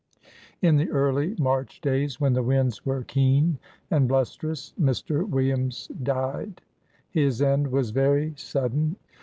In the early March days, when the winds were keen and blusterous, Mr. Williams died; his end was very sudden.